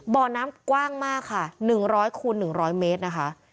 บ่อน้ำกว้างมากค่ะหนึ่งร้อยคูณหนึ่งร้อยเมตรนะคะ